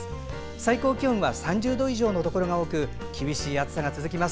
最高気温は３０度以上のところが多く厳しい暑さが続きます。